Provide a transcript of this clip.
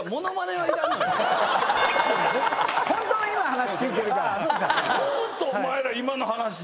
本当の今話聞いてるから。